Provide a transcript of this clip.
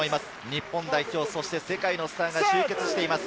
日本代表、そして世界のスターが集結しています。